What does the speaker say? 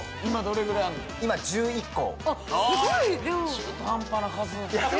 中途半端な数。